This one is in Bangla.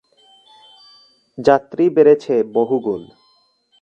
যাত্রী বেড়েছে বহুগুণ।